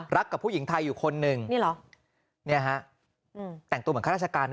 รักกับผู้หญิงไทยอยู่คนนึงนี่เหรอ